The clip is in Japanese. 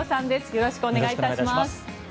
よろしくお願いします。